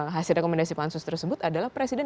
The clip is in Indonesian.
hasil rekomendasi pansus tersebut adalah presiden